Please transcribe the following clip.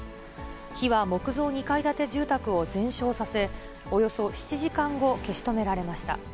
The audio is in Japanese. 火は木造２階建て住宅を全焼させ、およそ７時間後、消し止められました。